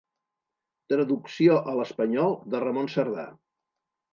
Traducció a l'espanyol de Ramon Cerdà.